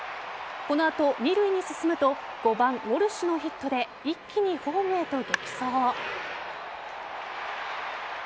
この後、２塁に進むと５番・ウォルシュのヒットで一気にホームへと激走。